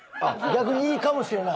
逆にいいかもしれない？